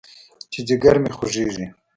چې ځيگر مې خوږېږي.